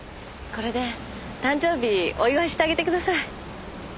これで誕生日お祝いしてあげてください。